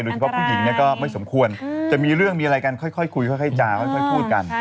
เฉพาะผู้หญิงก็ไม่สมควรจะมีเรื่องมีอะไรกันค่อยคุยค่อยจาค่อยพูดกัน